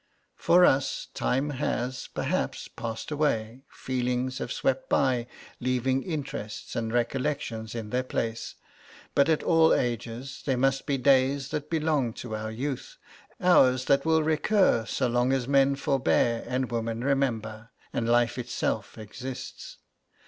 For us time has, perhaps, passed away; feelings have swept by, leaving interests and recollections in their place; but at all ages there must be days that belong to our youth, hours that will recur so long as men forbear and women remember, and life itself exists.